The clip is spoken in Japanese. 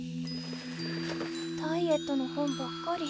ダイエットの本ばっかり。